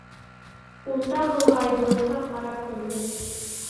— Ул тағы ла Айбулатҡа ҡарап торҙо.